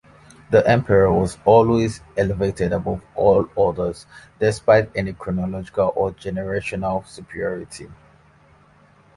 The Emperor was always elevated above all others despite any chronological or generational superiority.